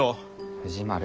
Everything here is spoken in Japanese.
藤丸。